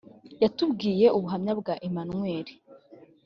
yatubwiye ubuhamya bwa emmanuel